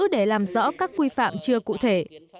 để làm rõ các quy phạm chưa cụ thể